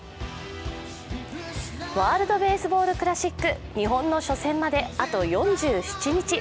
ワールドベースボールクラシック日本の初戦まであと４７日。